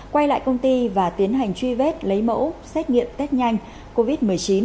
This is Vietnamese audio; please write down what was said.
quay lại công ty và tiến hành truy vết lấy mẫu xét nghiệm test nhanh covid một mươi chín